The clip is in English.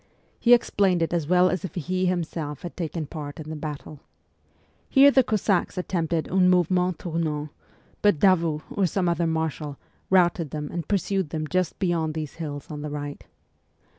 He explained it as well as if he himself had taken part in the battle. Here the Cossacks attempted un mouvement tournant, but Davout, or some other marshal, routed them and pursued them just beyond these hills on the right.